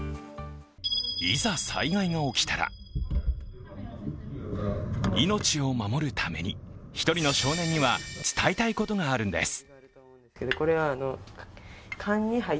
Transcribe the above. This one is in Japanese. いざ、災害が起きたら命を守るために、１人の少年には伝えたいことがあるんです。